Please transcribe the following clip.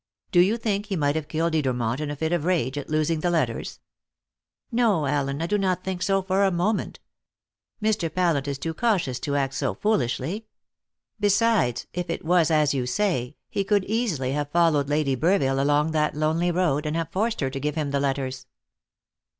Do you think he might have killed Edermont in a fit of rage at losing the letters?" "No, Allen, I do not think so for a moment. Mr. Pallant is too cautious to act so foolishly. Besides, if it was as you say, he could easily have followed Lady Burville along that lonely road, and have forced her to give him the letters.